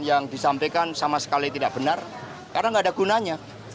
yang disampaikan sama sekali tidak benar karena nggak ada gunanya